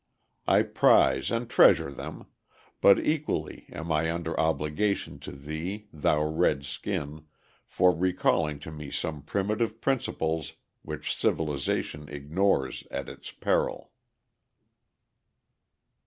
I prize and treasure them, but equally am I under obligation to thee, thou red skin, for recalling to me some primitive principles which civilization ignores at its peril.